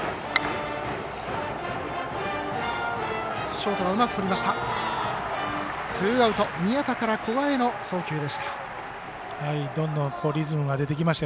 ショートがうまくとりました。